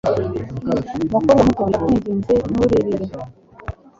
Mukobwa muto ndakwinginze nturirire